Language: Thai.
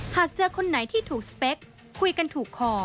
หากเจอคนไหนที่ถูกสเปคคุยกันถูกคอ